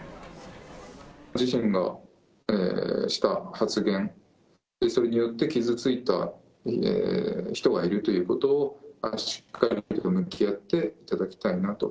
自身がした発言、それによって傷ついた人がいるということを、しっかりと向き合っていただきたいなと。